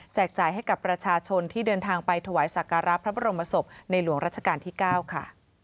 จ่ายให้กับประชาชนที่เดินทางไปถวายสักการะพระบรมศพในหลวงรัชกาลที่๙ค่ะ